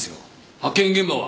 発見現場は？